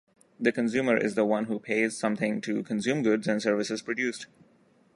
The "consumer" is the one who pays something to consume goods and services produced.